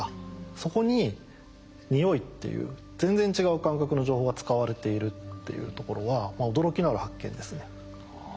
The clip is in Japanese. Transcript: そこに匂いっていう全然違う感覚の情報が使われているっていうところは驚きのある発見ですね。